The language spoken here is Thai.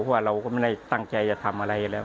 เพราะว่าเราก็ไม่ได้ตั้งใจจะทำอะไรแล้ว